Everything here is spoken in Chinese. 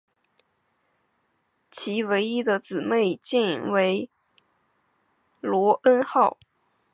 其唯一的姊妹舰为罗恩号。